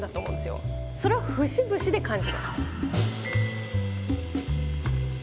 それは節々で感じます。